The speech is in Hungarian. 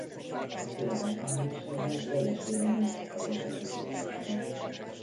A film általánosságban vegyes véleményeket kapott a kritikusoktól.